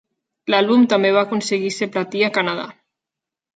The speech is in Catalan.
L"àlbum també va aconseguir ser platí a Canadà.